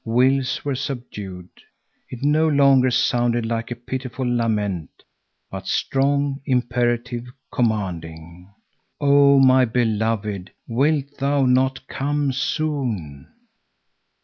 Wills were subdued. It no longer sounded like a pitiful lament, but strong, imperative, commanding. "Oh, my beloved, wilt thou not come soon?"